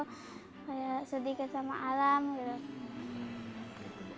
kayak sedikit sama alam gitu